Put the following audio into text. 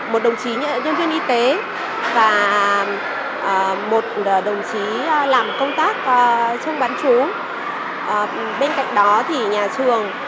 một đồng chí nhân viên y tế và một đồng chí làm công tác chung bán chú bên cạnh đó thì nhà trường